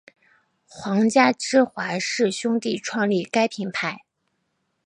皇家芝华士兄弟创立该品牌。